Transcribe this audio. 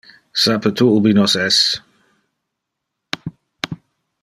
Sape tu ubi nos es?